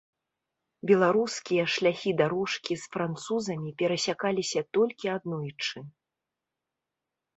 Беларускія шляхі-дарожкі з французамі перасякаліся толькі аднойчы.